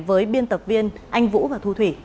với biên tập viên anh vũ và thu thủy